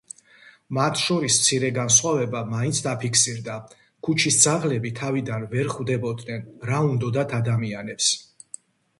მათ შორის მცირე განსხვავება მაინც დაფიქსირდა: ქუჩის ძაღლები თავიდან ვერ ხვდებოდნენ, რა უნდოდათ ადამიანებს.